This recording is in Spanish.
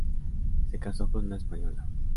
Se casó con una española.